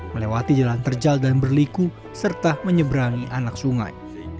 melewati jalan terjal dan berliku serta menyeberangi anak sungai